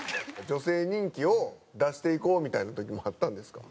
女性人気を出していこうみたいな時もあったんですか？